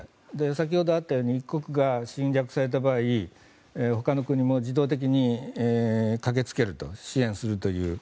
先ほどあったように１国が侵略された場合ほかの国も自動的に駆けつける支援するという。